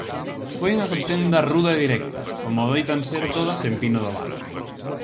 Foi unha contenda ruda e directa, como adoitan ser todas en Pino do Val.